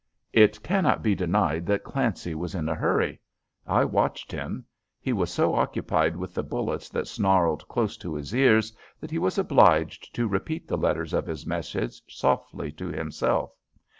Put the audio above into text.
It cannot be denied that Clancy was in a hurry. I watched him. He was so occupied with the bullets that snarled close to his ears that he was obliged to repeat the letters of his message softly to himself.